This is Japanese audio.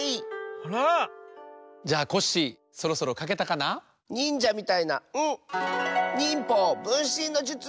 あら！じゃあコッシーそろそろかけたかな？にんじゃみたいな「ん」！にんぽうぶんしんのじゅつ！